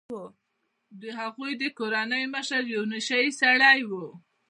د هغوی د کورنۍ مشر یو نشه يي سړی و.